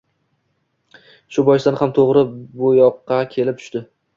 shu boisdan ham, to‘g‘ri bu yoqqa kelib tushding